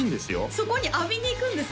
そこに浴びに行くんですね